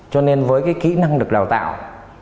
cho nên với cái kỹ năng được đào tạo